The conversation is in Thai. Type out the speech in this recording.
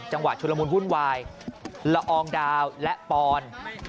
จังหวะชุ่นมุดมุนไวห์ละอองดาวและปอล